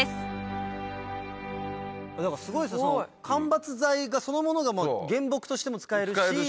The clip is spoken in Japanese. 間伐材そのものが原木としても使えるし。